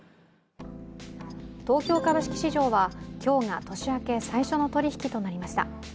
東京株式市場は今日が年明け最初の取引となりました。